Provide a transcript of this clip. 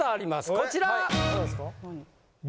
こちら！